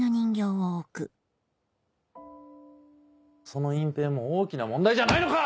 その隠蔽も大きな問題じゃないのか！